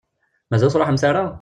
Mazal ur truḥemt ara?